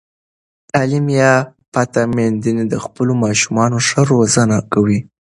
تعلیم یافته میندې د خپلو ماشومانو ښه روزنه کوي.